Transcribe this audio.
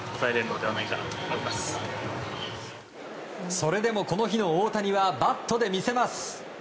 それでも、この日の大谷はバットで見せます。